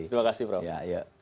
terima kasih pak